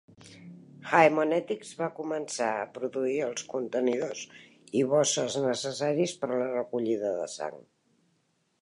Haemonetics va començar a produir els contenidors i bosses necessaris per a la recollida de sang.